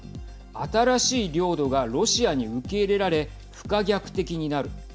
新しい領土がロシアに受け入れられ不可逆的になる。